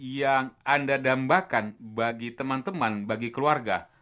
yang anda dambakan bagi teman teman bagi keluarga